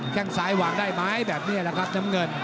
แค่งซ้ายวางได้ไหมแบบนี้แหละครับน้ำเงิน